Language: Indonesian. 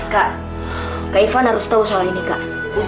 kak kak ivan harus tahu soal ini kak